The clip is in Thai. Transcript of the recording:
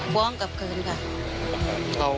ว้องกับเกินค่ะ